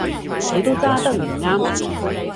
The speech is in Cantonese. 你都揸得唔啱